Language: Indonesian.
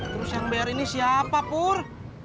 terus yang bayar ini siapa pur